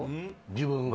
自分が？